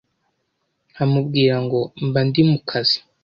nkamubwira ngo mba ndi mu kazi,